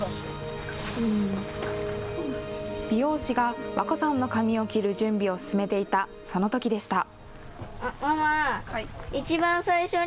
美容師が和恋さんの髪を切る準備を進めていた、そのときでした。